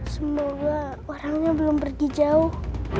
semoga orangnya belum pergi jauh